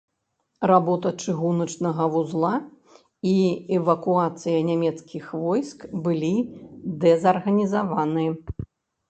Работа чыгуначнага вузла і эвакуацыя нямецкіх войск былі дэзарганізаваны.